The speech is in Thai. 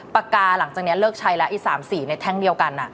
ปากกาหลังจากนี้เลิกใช้แล้วอีก๓สีในแท่งเดียวกัน